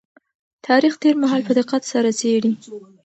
تاريخ تېر مهال په دقت سره څېړي.